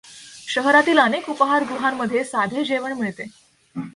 शहरातील अनेक उपहारगृहांमध्ये साधे जेवण मिळते.